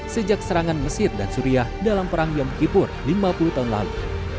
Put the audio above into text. sejak serangan mesir dan suriah dalam perang yom kipur lima puluh tahun lalu